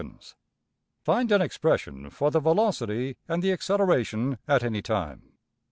png}% Find an expression for the velocity and the acceleration at any time.